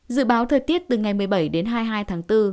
dự báo thời tiết từ ngày một mươi bảy đến hai mươi hai tháng bốn